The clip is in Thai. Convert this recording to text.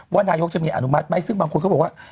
นายกจะมีอนุมัติไหมซึ่งบางคนก็บอกว่า